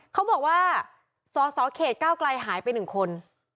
เขาบอกว่าสสเขตก้าวไกลหายไป๑คน